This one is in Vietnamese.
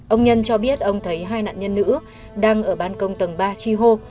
ông nhân cho biết ông thấy hai nạn nhân nữ đang ở ban công tầng ba chi hô